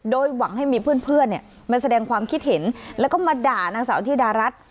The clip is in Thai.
โดยหวังให้มีเพื่อนมาแสดงความคิดเห็นแล้วก็มาด่านางสาวธิดารัฐ